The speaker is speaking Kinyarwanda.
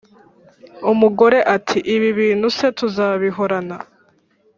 umugore ati: "Ibi bintu se tuzabihorana?"